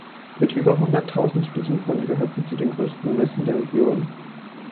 Mit über hunderttausend Besuchern gehört sie zu den grössten Messen der Region.